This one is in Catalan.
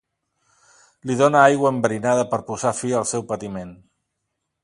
Li dóna aigua enverinada per posar fi al seu patiment.